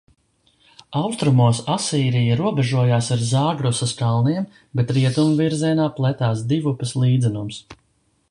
Austrumos Asīrija robežojās ar Zāgrosas kalniem, bet rietumu virzienā pletās Divupes līdzenums.